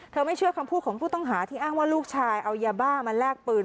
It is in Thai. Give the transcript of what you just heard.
ไม่เชื่อคำพูดของผู้ต้องหาที่อ้างว่าลูกชายเอายาบ้ามาแลกปืน